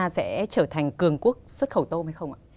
sẽ trở thành cường quốc xuất khẩu tôm hay không ạ